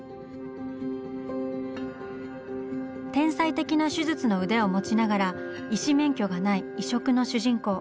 天才的な手術の腕を持ちながら医師免許がない異色の主人公。